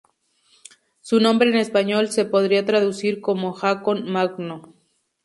Su nombre en español se podría traducir como Haakon Magno.